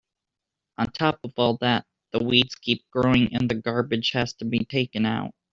On top of all that, the weeds keep growing and the garbage has to be taken out.